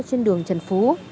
trên đường trần phú